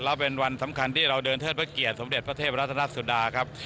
แล้วเป็นวันสำคัญที่เราเดินเทิดพระเกียรติสมเด็จพระเทพรัฐนาสุดาครับ